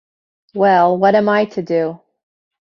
Well, what am I to do?